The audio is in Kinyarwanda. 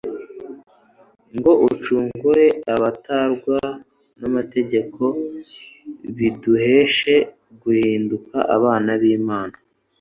ngo acungure abatwarwa n'amategeko biduheshe guhinduka abana b'Imana»